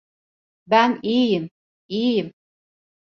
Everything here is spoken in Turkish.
Ben iyiyim, iyiyim.